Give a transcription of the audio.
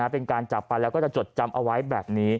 เป็นการจับไปแล้วก็จะจดจำเอาไว้แบบนี้